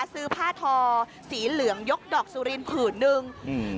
ซื้อผ้าทอสีเหลืองยกดอกสุรินผื่นหนึ่งอืม